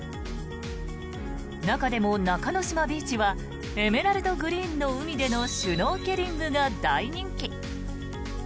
中でも、中の島ビーチはエメラルドグリーンの海でのシュノーケリングが大人気。